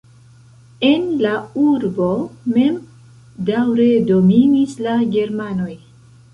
En la urbo mem daŭre dominis la germanoj.